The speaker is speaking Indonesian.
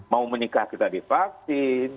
mau menikah kita divaksin